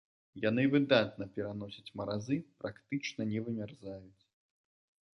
Яны выдатна пераносяць маразы, практычна не вымярзаюць.